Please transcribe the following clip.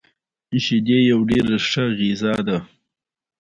مخ یې زېړېده.